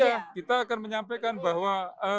ya kita akan menyampaikan bahwa